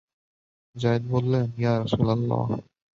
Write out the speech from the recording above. যায়েদ বললেন, ইয়া রাসূলাল্লাহ!